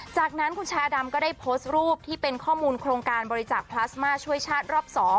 จากนั้นคุณชายาดำก็ได้โพสต์รูปที่เป็นข้อมูลโครงการบริจาคพลาสมาช่วยชาติรอบ๒